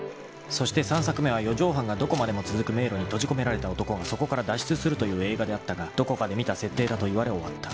［そして３作目は四畳半がどこまでも続く迷路に閉じ込められた男がそこから脱出するという映画であったが「どこかで見た設定だ」と言われ終わった］